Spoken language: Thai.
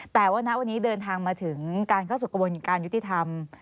แต่ว่าณวันนี้เดินทางมาถึงการเข้าสู่กระบวนการยุติธรรม